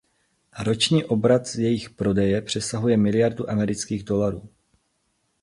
Roční obrat z jejich prodeje přesahuje miliardu amerických dolarů.